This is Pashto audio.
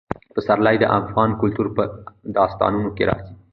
پسرلی د افغان کلتور په داستانونو کې راځي.